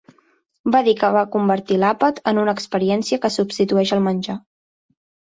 Va dir que va convertir l'àpat en una experiència que substitueix el menjar.